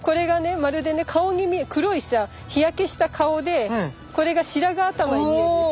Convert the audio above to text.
まるでね顔に見え黒いさ日焼けした顔でこれが白髪頭に見えるでしょ。